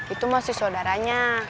itu masih saudaranya